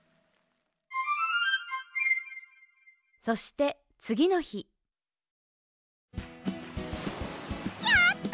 そしてつぎのひやった！